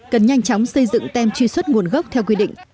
cần nhanh chóng xây dựng tem truy xuất nguồn gốc theo quy định